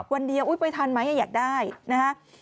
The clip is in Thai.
วันเดียวอุ๊ยไปทันไหมอยากได้นะฮะ